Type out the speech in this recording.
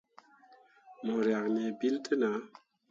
Me riak nii bill te nah.